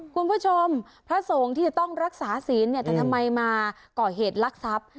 คุณผู้ชมพระสงฆ์ที่จะต้องรักษาศีลเนี่ยแต่ทำไมมาก่อเหตุลักษัพ